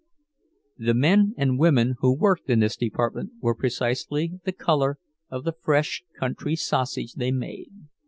The men and women who worked in this department were precisely the color of the "fresh country sausage" they made.